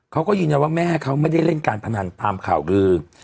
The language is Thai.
เขาก็ยืนยันว่าแม่เขาไม่ได้เล่นการพนันตามข่าวลือ